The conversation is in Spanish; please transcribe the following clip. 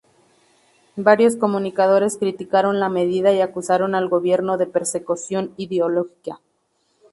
Varios comunicadores criticaron la medida y acusaron al gobierno de "persecución ideológica".